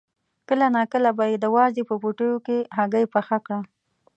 کله ناکله به یې د وازدې په پوټیو کې هګۍ پخه کړه.